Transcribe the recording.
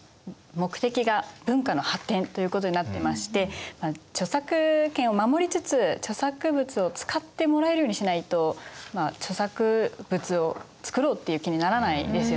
目的が文化の発展ということになってまして著作権を守りつつ著作物を使ってもらえるようにしないと著作物を作ろうという気にならないですよね。